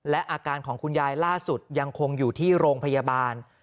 และอาการของคุณยายล่าสุดยังคงอยู่ที่โรงพยาบาล